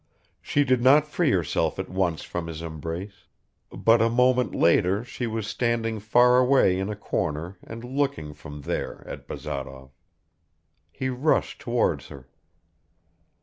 She did not free herself at once from his embrace, but a moment later she was standing far away in a corner and looking from there at Bazarov. He rushed towards her